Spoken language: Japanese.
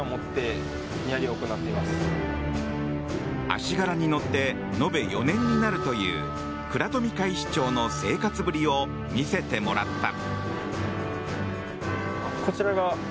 「あしがら」に乗って延べ４年になるという倉富海士長の生活ぶりを見せてもらった。